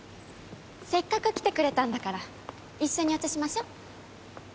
せっかく来てくれたんだから一緒にお茶しましょ。